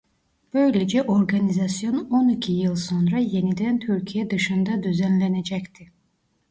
Böylece organizasyon on iki yıl sonra yeniden Türkiye dışında düzenlenecekti.